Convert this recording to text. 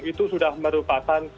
itu sudah merupakan